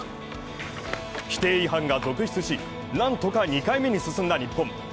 規定違反が続出しなんとか２回目に進んだ日本。